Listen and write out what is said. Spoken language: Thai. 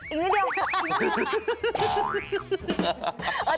อีกนิดเดียวกัน